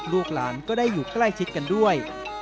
ลูกหลานก็ได้อยู่ใกล้ชิดกันด้วย